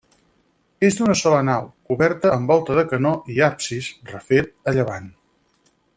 És d'una sola nau, coberta amb volta de canó i absis, refet, a llevant.